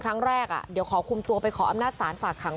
ครั้งแรกเดี๋ยวขอคุมตัวไปขออำนาจศาลฝากขัง